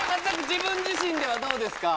自分自身ではどうですか？